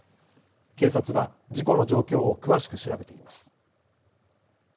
警察は事故の状況を詳しく調べています。